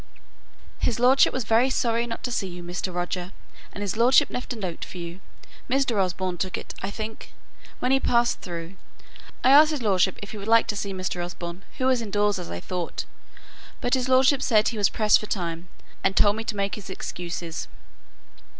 "His lordship was very sorry not to see you, Mr. Roger, and his lordship left a note for you. Mr. Osborne took it, I think, when he passed through. I asked his lordship if he would like to see Mr. Osborne, who was indoors, as I thought. But his lordship said he was pressed for time, and told me to make his excuses."